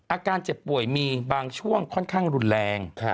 อาการเจ็บป่วยมีบางช่วงค่อนข้างรุนแรง